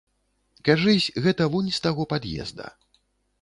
Кажысь, гэта вунь з таго пад'езда.